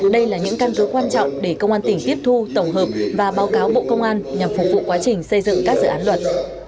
đây là những căn cứ quan trọng để công an tỉnh tiếp thu tổng hợp và báo cáo bộ công an nhằm phục vụ quá trình xây dựng các dự án luật